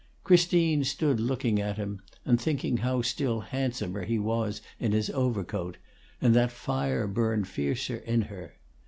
Christine stood looking at him, and thinking how still handsomer he was in his overcoat; and that fire burned fiercer in her.